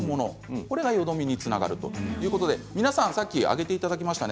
これが、よどみにつながるということで皆さんさっき挙げていただきましたね。